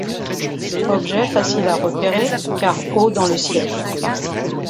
Objet facile à repérer, car haut dans le ciel.